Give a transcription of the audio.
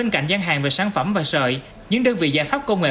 các sản phẩm và sợi những đơn vị giải pháp công nghệ